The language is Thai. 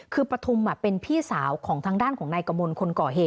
คือปฐุมเป็นพี่สาวของทางด้านของนายกมลคนก่อเหตุ